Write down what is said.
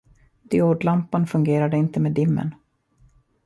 Diodlamporna fungerade inte med dimmern.